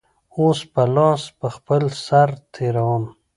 اوس به لاس په خپل سر تېروم.